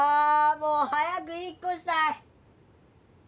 もう早く引っこしたい！